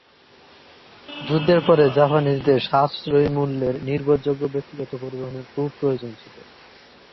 যুদ্ধের পরে, জাপানিদের সাশ্রয়ী মূল্যের, নির্ভরযোগ্য ব্যক্তিগত পরিবহনের খুব প্রয়োজন ছিল।